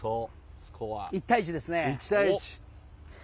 １対１ですね。